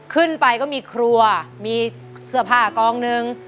ขึ้นไปก็มีครัวมีเสื้อผ้ากองหนึ่ง